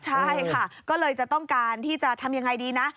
ใช่ค่ะก็เลยจะต้องการที่จะทำยังไงดีนะ